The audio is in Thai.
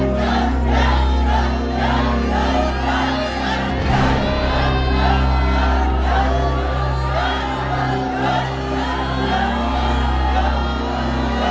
ยืดยืดยืด